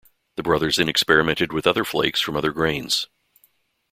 The brothers then experimented with other flakes from other grains.